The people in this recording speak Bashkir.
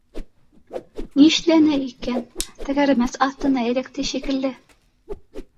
Нишләне икән? Тәгәрмәс аҫтына эләкте шикелле